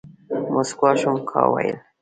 موسکا شوم ، کا ويل ،